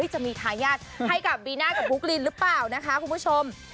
จะมีทายาทให้กับบีน่ากับบุ๊กลินหรือเปล่านะคะคุณผู้ชม